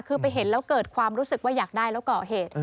คือไปเห็นแล้วเกิดความรู้สึกว่าอยากได้แล้วก่อเหตุ